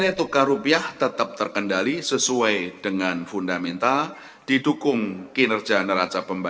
nilai tukar rupiah tetap terkendali sesuai dengan fundamental didukung kinerja neraca